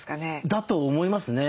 だと思いますね。